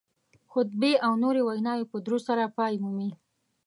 خطبې او نورې ویناوې په درود سره پای مومي